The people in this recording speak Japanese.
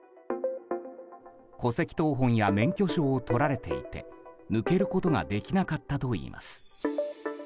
戸籍謄本や免許証を取られていて抜けることができなかったといいます。